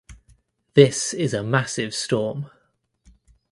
This is a massive storm;